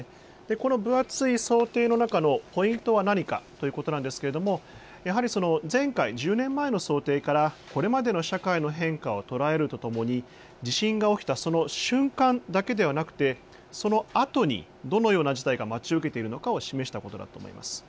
この分厚い想定の中のポイントは何かというところですが、やはり前回１０年前の想定からこれまでの社会の変化を捉えるとともに、地震が起きたその瞬間だけではなくてそのあとにどのような事態が待ち受けているのかを示したことなんだと思います。